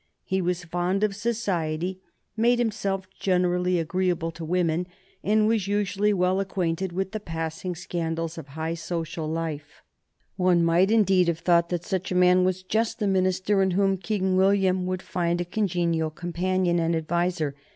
He was fond of society, made himself generally agreeable to women, and was usually well acquainted with the passing scandals of high social life. [Sidenote: 1834 Peel to be Premier] One might, indeed, have thought that such a man was just the minister in whom King William would find a congenial companion and adviser.